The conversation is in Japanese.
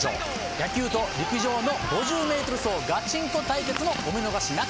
野球と陸上の５０ｍ走ガチンコ対決もお見逃しなく。